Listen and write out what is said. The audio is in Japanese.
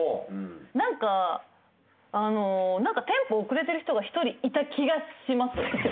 なんかあのなんかテンポ遅れてる人が１人いた気がします。